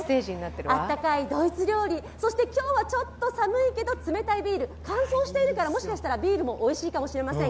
あったかいドイツ料理、そして今日はちょっと寒いけど冷たいビール、乾燥してるからもしかしたらビールもおいしいかもしれません。